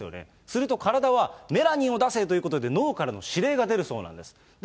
すると体は、メラニンを出せということで脳からの指令が出るそうなんです。